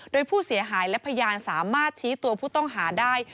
โดยผู้เสียหายและพยานสามารถชี้ตัวผู้ต้องหาได้